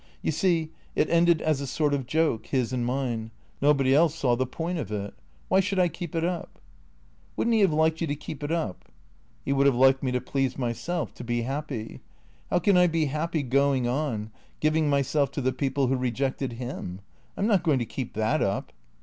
"You see, it ended as a sort of joke, his and mine — nobody else saw the point of it. Why should I keep it up ?"" Would n't he have liked you to keep it up ?"" He would have liked me to please myself — to be happy. How can I be happy going on — giving myself to the people who rejected liini ? I 'm not going to keep that up."